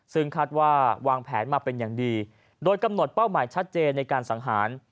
ซึ่งคาดว่าวางแผนมาเป็นอย่างดีโดยกำหนดเป้าหมายชัดเจนในการสังหาร